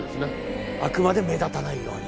あくまで目立たないように。